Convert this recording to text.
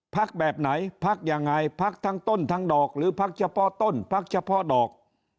แบบไหนพักยังไงพักทั้งต้นทั้งดอกหรือพักเฉพาะต้นพักเฉพาะดอก